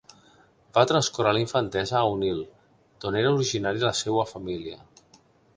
Va transcórrer la infantesa a Onil, d'on era originària la seua família.